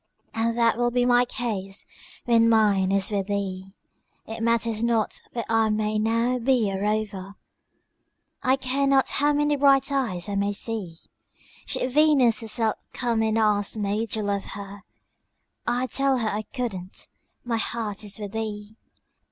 And that will be my case when mine is with thee. It matters not where I may now be a rover, I care not how many bright eyes I may see; Should Venus herself come and ask me to love her, I'd tell her I couldn't my heart is with thee.